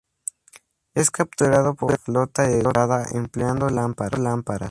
Es capturado por flota de rada, empleando lámparas.